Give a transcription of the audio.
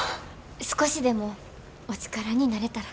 少しでもお力になれたら。